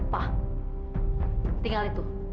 pak tinggal itu